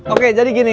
oke jadi gini